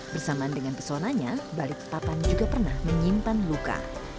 bersamaan dengan pesonanya balikpapan juga pernah menyimpan luka